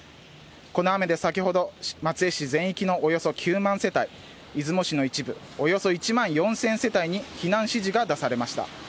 この雨で、先ほど松江市全域のおよそ９万世帯、出雲市の一部、およそ１万４０００世帯に避難指示が出されました。